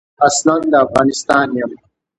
اصلاً د افغانستان یم.